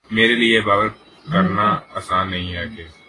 میرے لیے یہ باور کرنا آسان نہیں کہ